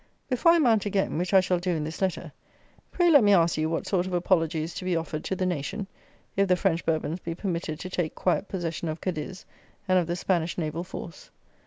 Before I mount again, which I shall do in this Letter, pray let me ask you what sort of apology is to be offered to the nation, if the French Bourbons be permitted to take quiet possession of Cadiz and of the Spanish naval force?